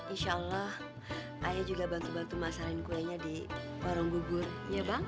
insya allah ayah juga bantu bantu masalin kuenya di warung bubur ya bang